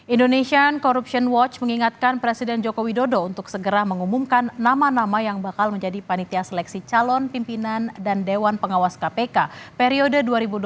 indonesian corruption watch mengingatkan presiden joko widodo untuk segera mengumumkan nama nama yang bakal menjadi panitia seleksi calon pimpinan dan dewan pengawas kpk periode dua ribu dua puluh